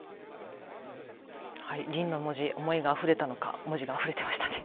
凛の文字、思いがあふれたのか文字があふれていましたね。